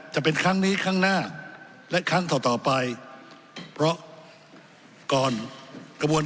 จะเป็นครั้งนี้ครั้งหน้าและครั้งต่อต่อไปเพราะก่อนกระบวน